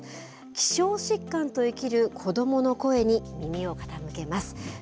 希少疾患と生きる子どもの声に耳を傾けます。